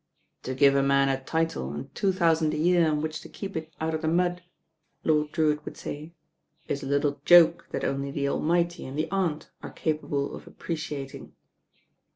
"To give a man a title and two thousand a year on which to keep it out of the mud," Lord Drewitt III ^^^ LORD DREWITTS PERPLEXITIES 87 would say, "is a little Joke that only the Almighty and the Aunt are capable of appreciating."